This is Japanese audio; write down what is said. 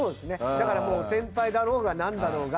だからもう先輩だろうがなんだろうが。